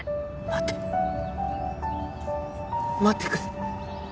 待て待ってくれ